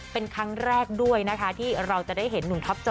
เป็นครั้งแรกที่เราจะได้เห็น